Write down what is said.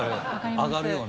上がるよね。